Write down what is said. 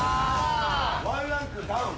１ランクダウン。